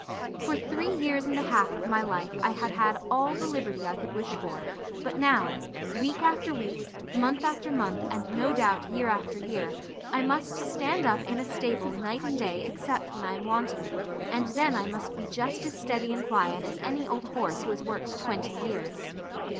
For three years and a half of my life I had had all the liberty I could wish for; but now, week after week, month after month, and no doubt year after year, I must stand up in a stable night and day except when I am wanted, and then I must be just as steady and quiet as any old horse who has worked twenty years.